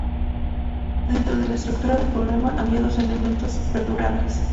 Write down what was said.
Dentro de la estructura del programa, había dos elementos perdurables.